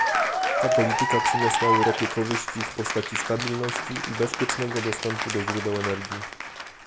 Ta polityka przyniosła Europie korzyści w postaci stabilności i bezpiecznego dostępu do źródeł energii